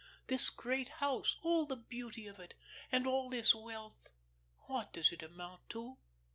This great house, all the beauty of it, and all this wealth, what does it amount to?"